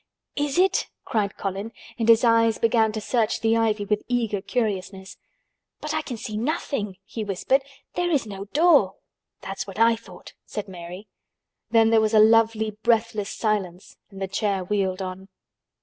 "Is it?" cried Colin, and his eyes began to search the ivy with eager curiousness. "But I can see nothing," he whispered. "There is no door." "That's what I thought," said Mary. Then there was a lovely breathless silence and the chair wheeled on.